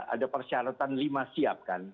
ada persyaratan lima siap kan